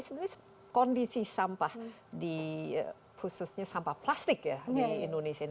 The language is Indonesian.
sebenarnya kondisi sampah di khususnya sampah plastik ya di indonesia ini